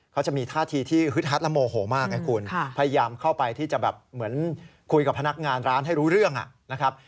เขาจะมีท่าทีที่ฮึดฮัดและโมโหมากไงคุณพยายามเข้าไปที่จะแบบเหมือนคุยกับพนักงานร้านให้รู้เรื่องนะครับ